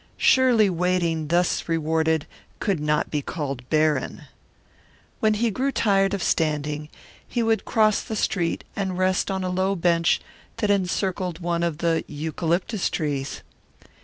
Surely waiting thus rewarded could not be called barren. When he grew tired of standing he could cross the street and rest on a low bench that encircled one of the eucalyptus trees.